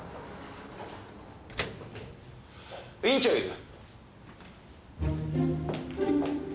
院長いる？